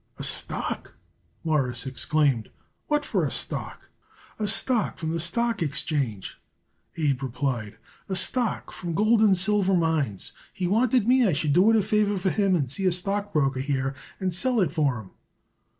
"A stock!" Morris exclaimed. "What for a stock?" "A stock from the stock exchange," Abe replied; "a stock from gold and silver mines. He wanted me I should do it a favor for him and see a stock broker here and sell it for him."